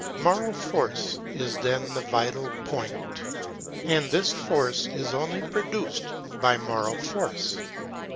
Moral force is then the vital point. ' And this force is only produced by moral 'force.